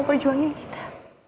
aku mau berjuangin kita